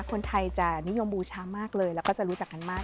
คนไทยจะนิยมบูชามากเลยแล้วก็จะรู้จักกันมาก